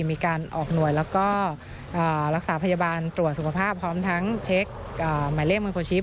มีการออกหน่วยแล้วก็รักษาพยาบาลตรวจสุขภาพพร้อมทั้งเช็คหมายเลขไมโครชิป